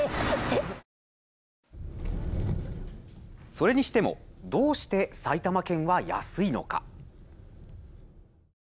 それにしてもどうして埼玉県は安いのか。